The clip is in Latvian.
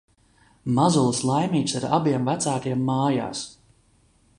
Mazulis laimīgs ar abiem vecākiem mājās.